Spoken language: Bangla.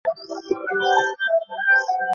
ফোনে কথা বলছি বলে সাহস দেখাচ্ছো?